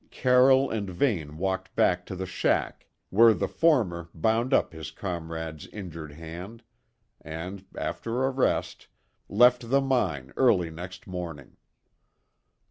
Carroll and Vane walked back to the shack, where the former bound up his comrade's injured hand, and, after a rest, left the mine early next morning.